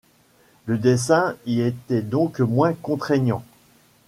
Le dessin y était donc moins contraignant.